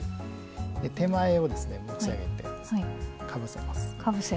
手前を持ち上げて、かぶせます。